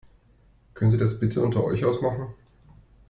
Könnt ihr das bitte unter euch ausmachen?